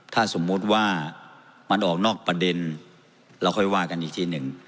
ถ้าสมมุติว่ามันออกนอกประเด็นเราค่อยว่ากันอีกทีหนึ่ง